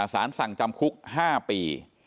สารสั่งจำคุก๕ปี